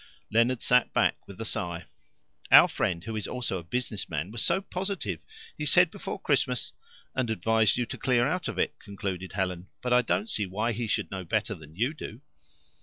Leonard sat back with a sigh. "Our friend, who is also a business man, was so positive. He said before Christmas " "And advised you to clear out of it," concluded Helen. "But I don't see why he should know better than you do."